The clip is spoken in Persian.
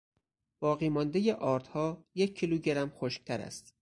باقی ماندهٔ آردها یک کیلو گرم خشکتر است.